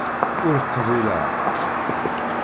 Ur qbileɣ.